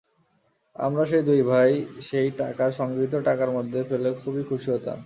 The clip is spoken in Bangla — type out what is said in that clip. আমরা দুই ভাই সেই টাকা সংগৃহীত টাকার মধ্যে ফেলে খুবই খুশি হতাম।